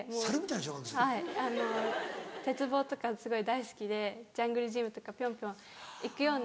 はい鉄棒とかすごい大好きでジャングルジムとかぴょんぴょん行くような。